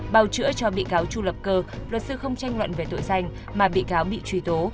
bào chữa cho bị cáo chu lập cơ luật sư không tranh luận về tội danh mà bị cáo bị truy tố